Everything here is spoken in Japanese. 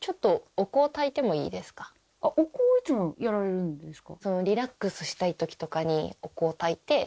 お香いつもやられるんですか？